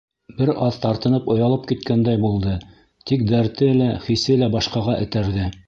Бер аҙ тартынып оялып киткәндәй булды, тик дәрте лә, хисе лә башҡаға этәрҙе.